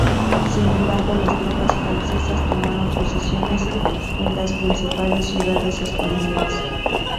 Sin embargo, las tropas francesas tomaron posiciones en las principales ciudades españolas.